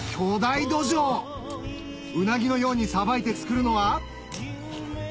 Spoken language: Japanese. ウナギのようにさばいて作るのは？